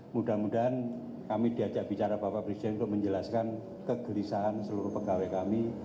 mudah mudahan kami diajak bicara bapak presiden untuk menjelaskan kegelisahan seluruh pegawai kami